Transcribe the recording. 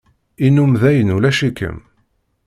Yennum dayen ulac-ikem.